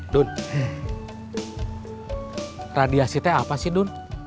dun radiasitnya apa sih dun